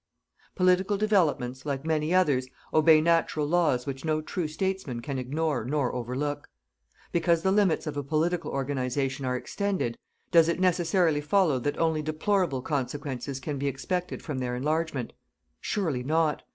Political developments, like many others, obey natural laws which no true statesman can ignore nor overlook. Because the limits of a political organization are extended, does it necessarily follow that only deplorable consequences can be expected from their enlargement? Surely not.